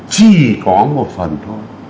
chỉ có một phần thôi